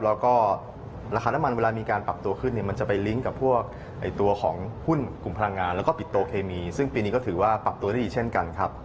แล้วก็ราคาน้ำมันเวลามีการปรับตัวขึ้นเนี่ยมันจะไปลิงก์กับพวกตัวของหุ้นกลุ่มพลังงานแล้วก็ปิโตเคมีซึ่งปีนี้ก็ถือว่าปรับตัวได้ดีเช่นกันครับ